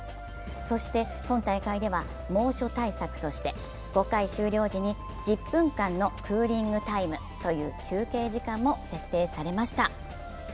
そして今大会では、猛暑対策として５回終了時に１０分間のクーリングタイムという休憩時間も設定されました。